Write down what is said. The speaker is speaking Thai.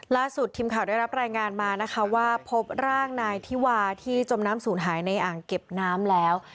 ล่าสุดทีมข่าวได้รับรายงานมานะคะว่าพบร่างนายธิวาที่จมน้ำศูนย์หายในอ่างเก็บน้ำแล้ว